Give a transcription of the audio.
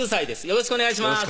よろしくお願いします